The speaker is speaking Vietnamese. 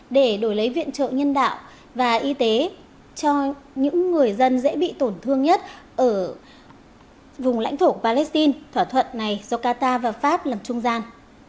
để đổi lấy viện trợ nhân đạo và y tế cho những người dân dễ bị tổn thương nhất ở vùng lãnh thổ của palestine thỏa thuận này do qatar và pháp làm trung gian